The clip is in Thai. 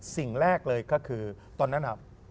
สิ่งแรกเลยก็คือตอนนั้นครับ